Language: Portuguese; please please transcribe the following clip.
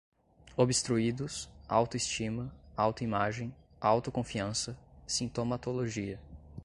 obstruídos, autoestima, autoimagem, autoconfiança, sintomatologia